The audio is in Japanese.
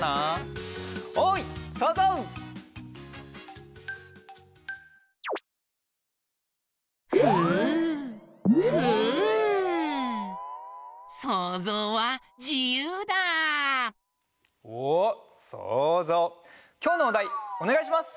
おっそうぞうきょうのおだいおねがいします。